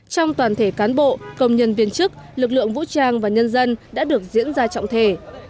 trong toàn thể cán bộ công nhân viên chức lực lượng vũ trang và nhân dân đã được diễn ra trọng thể